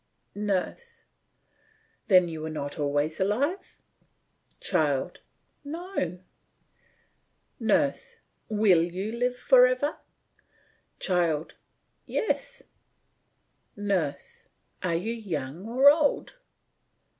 NURSE: Then you were not always alive! CHILD: No. NURSE: Will you live for ever! CHILD: Yes. NURSE: Are you young or old?